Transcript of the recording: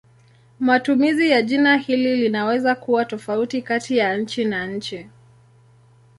Matumizi ya jina hili linaweza kuwa tofauti kati ya nchi na nchi.